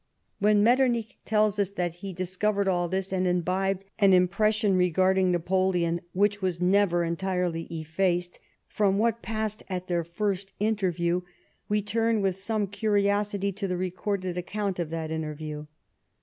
When Metternich tells us that he discovered all this, and imbibed an impression regarding Napoleon which was never entirely effaced, from what passed at their first interview, we turn with some curiosity to the recorded account of that interview.